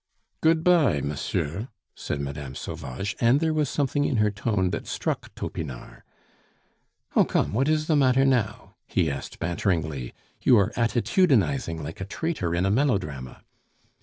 "Good bye, mosieu," said Mme. Sauvage, and there was something in her tone that struck Topinard. "Oh, come, what is the matter now?" he asked, banteringly. "You are attitudinizing like a traitor in a melodrama."